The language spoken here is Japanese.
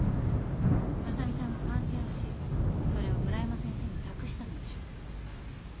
真佐美さんが鑑定をしそれを村山先生に託したのでしょう。